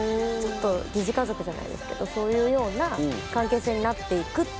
疑似家族じゃないですけどそういう関係性になっていく。